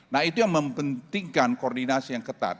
nah itu yang mempentingkan koordinasi yang ketat